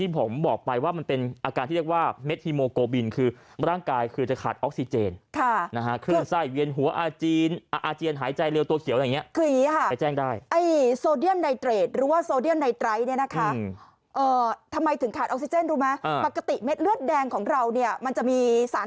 ผมบอกไปว่ามันเป็นอาการที่เรียกว่าเม็ดฮีโมโกบินคือร่างกายคือจะขาดออกซิเจนค่ะนะฮะคลื่นไส้เวียนหัวอาเจียนอาเจียนหายใจเร็วตัวเขียวอย่างนี้คืออย่างนี้ค่ะไปแจ้งได้ไอ้โซเดียมไดเตรดหรือว่าโซเดียมไนท์เนี่ยนะคะทำไมถึงขาดออกซิเจนรู้ไหมปกติเม็ดเลือดแดงของเราเนี่ยมันจะมีสาร